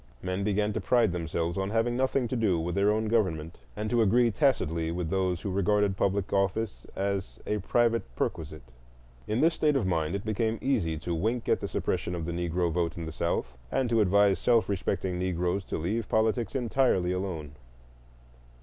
Men began to pride themselves on having nothing to do with their own government, and to agree tacitly with those who regarded public office as a private perquisite. In this state of mind it became easy to wink at the suppression of the Negro vote in the South, and to advise self respecting Negroes to leave politics entirely alone.